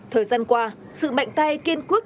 thời gian qua sự mạnh tay kiên quốc